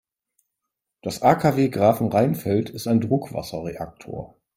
Das AKW Grafenrheinfeld ist ein Druckwasserreaktor.